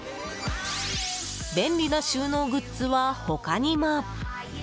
便利な収納グッズは他にも。